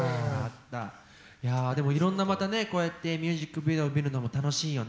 いやでもいろんなまたねこうやってミュージックビデオ見るのも楽しいよね。